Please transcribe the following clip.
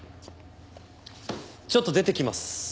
ちょっと出てきます。